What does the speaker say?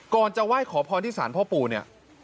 ก่อนจะไหว้ขอบพลที่สารพ่อปู่นี่